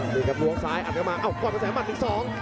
นี่ครับลวงซ้ายอัดเข้ามาอ้าวกวนภาษาหัวมันอีกสอง